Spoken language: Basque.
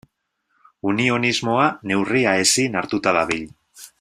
Unionismoa neurria ezin hartuta dabil.